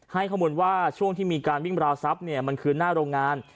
ให้ข้อมูลว่าช่วงที่มีการวิ่งบราวทรัพย์มันคือหน้าโรงงาน